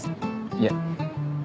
いえ。